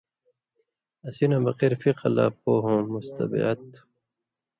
اسی نہ بغیر فِقہ لا پوہ ہوں مُستَبعد تُھو۔